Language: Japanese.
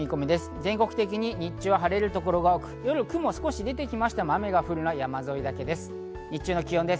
全国的に日中は晴れるところが多く、夜に雲が出てきても雨が降るのは山沿いだけです。